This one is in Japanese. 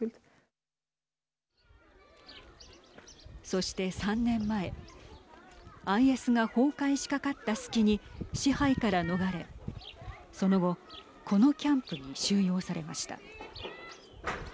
そして３年前ＩＳが崩壊しかかった隙に支配から逃れその後、このキャンプに収容されました。